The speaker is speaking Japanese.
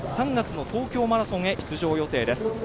３月の東京マラソンへ出場予定です